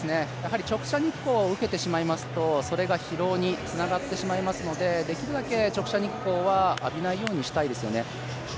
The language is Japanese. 直射日光を受けてしまいますとそれが疲労につながってしまいますのでできるだけ直射日光は浴びないようにしたいですよね。